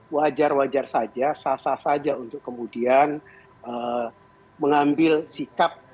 wajar wajar saja sasar saja untuk kemudian mengambil sikap